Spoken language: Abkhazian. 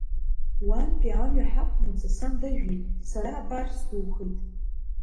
Уантәи амҩа ҳақәнаҵы сан дажәит, сара абар, сдухеит.